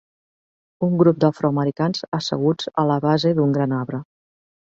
Un grup d'afroamericans asseguts a la base d'un gran arbre.